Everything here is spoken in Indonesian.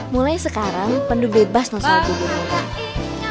mulai sekarang pandu bebas nosal di rumah